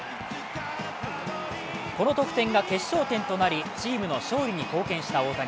この得点が決勝点となりチームの勝利に貢献した大谷。